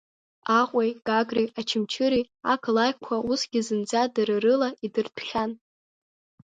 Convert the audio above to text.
Аҟәеи, Гагреи, Очамчыреи ақалақьқәа усгьы зынӡа дара рыла идырҭәхьан.